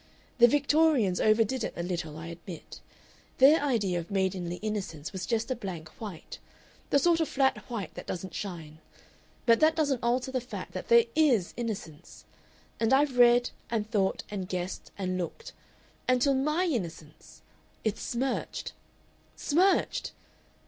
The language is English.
The Victorians over did it a little, I admit. Their idea of maidenly innocence was just a blank white the sort of flat white that doesn't shine. But that doesn't alter the fact that there IS innocence. And I've read, and thought, and guessed, and looked until MY innocence it's smirched. "Smirched!...